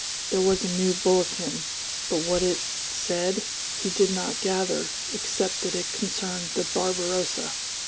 There was a new bulletin, but what it said he did not gather except that it concerned the Barbarossa.